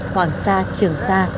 hoàng sa trường sa